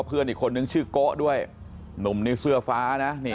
เพื่อนอีกคนนึงชื่อโกะด้วยหนุ่มนี่เสื้อฟ้านะ